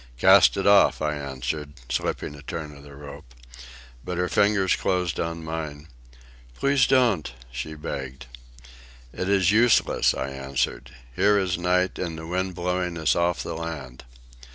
"Cast it off," I answered, slipping a turn of the rope. But her fingers closed on mine. "Please don't," she begged. "It is useless," I answered. "Here is night and the wind blowing us off the land."